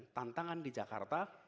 tantangan di jakarta